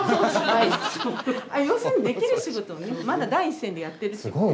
要するにできる仕事をねまだ第一線でやってるっていう。